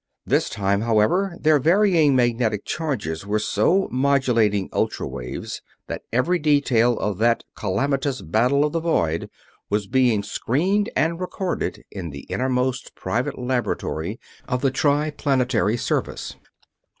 This time, however, their varying magnetic charges were so modulating ultra waves that every detail of that calamitous battle of the void was being screened and recorded in the innermost private laboratory of the Triplanetary Service.